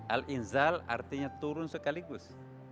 al inzal artinya turun sekaligus